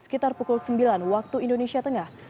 sekitar pukul sembilan waktu indonesia tengah